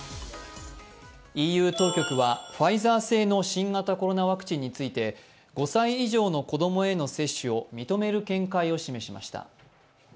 ＥＵ当局はファイザー製の新型コロナワクチンについて５歳以上の子供への接種を認める見解を示しました。